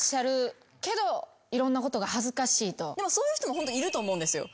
でもそういう人もいると思うんですよ。